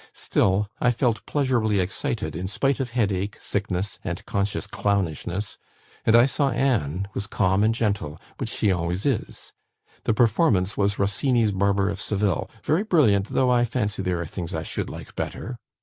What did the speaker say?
Still I felt pleasurably excited in spite of headache, sickness, and conscious clownishness; and I saw Anne was calm and gentle, which she always is. The performance was Rossini's 'Barber of Seville,' very brilliant, though I fancy there are things I should like better.